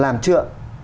làm chưa ạ